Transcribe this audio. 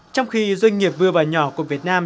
trong khi doanh nghiệp vừa và nhỏ của việt nam